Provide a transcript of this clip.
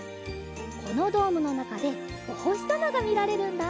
このドームのなかでおほしさまがみられるんだ。